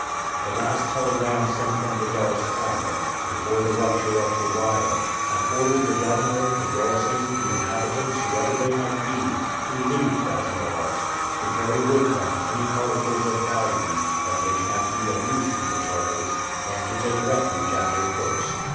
The last telegram sent from the Czar's cabinet, before the rupture of the wire, had ordered the governor, the garrison, the inhabitants, whoever they might be, to leave Krasnoiarsk, to carry with them any articles of value, or which might be of use to the Tartars, and to take refuge at Irkutsk.